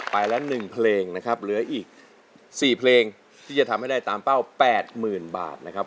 ไปแล้ว๑เพลงนะครับเหลืออีก๔เพลงที่จะทำให้ได้ตามเป้า๘๐๐๐บาทนะครับ